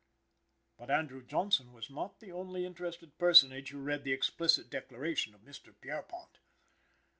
But Andrew Johnson was not the only interested personage who read the explicit declaration of Mr. Pierrepont.